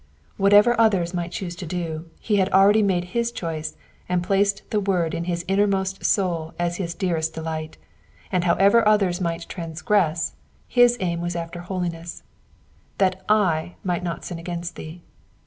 *' Whatever others might choose to do he had already made his choice and placed the Word in his innermost soul as his dearest delight, and however others might transgress, his aim i^as after holiness: *^That / might not sin against thee.